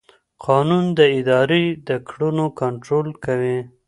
قانون د ادارې د کړنو کنټرول کوي.